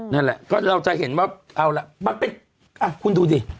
นั่นแหละก็เราจะเห็นว่าเอาล่ะมันเป็นคุณดูดิ